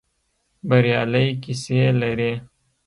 بریالۍ کيسې لري.